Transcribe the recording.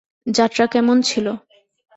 যাত্রা কেমন ছিলো?